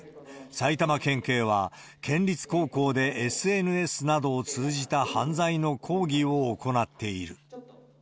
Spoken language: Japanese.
埼玉県警は、県立高校でＳＮＳなどを通じた犯罪の講義を行っている。